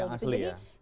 yang asli ya